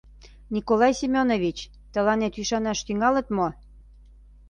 Николай Семёнович, тыланет ӱшанаш тӱҥалыт мо?